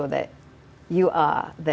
anda harus memastikan